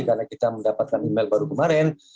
karena kita mendapatkan email baru kemarin